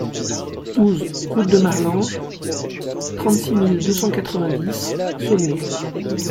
douze route de Marlanges, trente-six mille deux cent quatre-vingt-dix Saulnay